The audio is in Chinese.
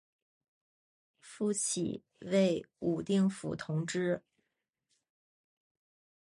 复起为武定府同知。